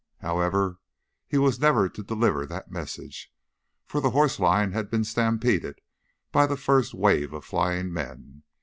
However, he was never to deliver that message, for the horse lines had been stampeded by the first wave of flying men.